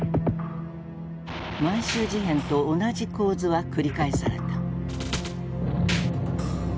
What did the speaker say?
満州事変と同じ構図は繰り返された。